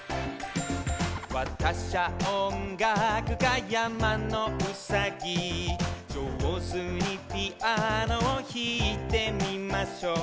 「わたしゃおんがくか山のうさぎ」「じょうずにピアノをひいてみましょう」